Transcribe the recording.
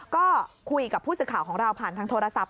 ก็คุยกับผู้สื่อข่าวของเราผ่านทางโทรศัพท์